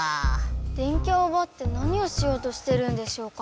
電キャをうばって何をしようとしてるんでしょうか。